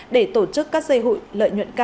để tổ chức các dây hụi